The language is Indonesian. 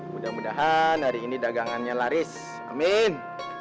mudah mudahan hari ini dagangannya laris amin